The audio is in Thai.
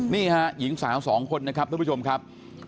นี่ฮะหญิงสาวสองคนนะครับทุกผู้ชมครับ